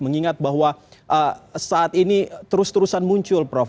mengingat bahwa saat ini terus terusan muncul prof